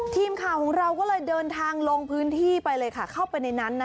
ทีมข่าวของเราก็เลยเดินทางลงพื้นที่ไปเลยค่ะเข้าไปในนั้น